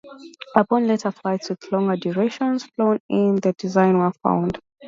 Upon later flights with longer durations, flaws in the design were found.